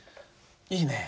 いいね。